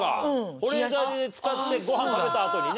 保冷剤で使ってご飯食べたあとにね。